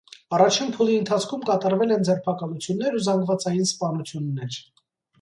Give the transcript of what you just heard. Առաջին փուլի ընթացքում կատարվել են ձերբակալություններ ու զանգվածային սպանություններ։